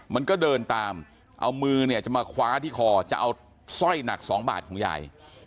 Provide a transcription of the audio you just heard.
มันก็เดินตามเอามือจะมาคว้าที่คอจะเอาสร้อยหนักสองบาทของใหญ่